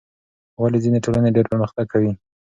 ولې ځینې ټولنې ډېر پرمختګ کوي؟